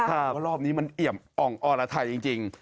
เพราะรอบนี้มันเอี่ยมอ่องอรไทยจริง